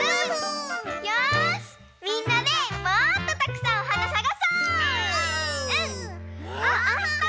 よしみんなでもっとたくさんおはなさがそう！お！あった！